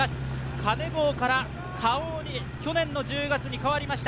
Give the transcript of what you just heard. カネボウからＫａｏに去年の１０月に変わりました。